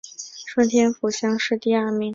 顺天府乡试第二名。